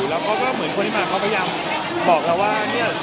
แล้วเขาก็เหมือนคนที่มาเขาพยายามบอกแล้วว่าเนี่ย